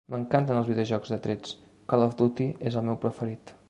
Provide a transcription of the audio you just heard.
M'encanten els videojocs de trets, Call of Duty és el meu preferit.